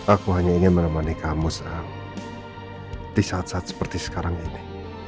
aku hanya ingin menemani kamu di saat saat seperti sekarang ini